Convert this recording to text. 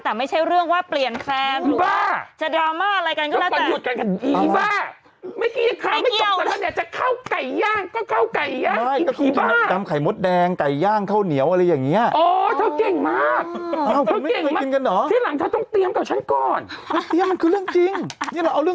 แต่ไม่ใช่เรื่องว่าเปลี่ยนแคนหรือ